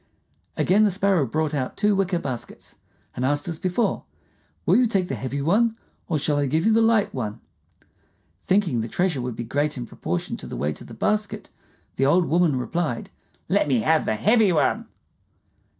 Again the Sparrow brought out two wicker baskets, and asked as before, "Will you take the heavy one, or shall I give you the light one?" Thinking the treasure would be great in proportion to the weight of the basket, the old woman replied, "Let me have the heavy one."